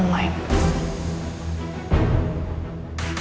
mengambil makanan dari pesanan ojek online